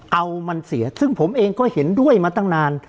เอามันเสียซึ่งผมเองก็เห็นด้วยมาตั้งนาน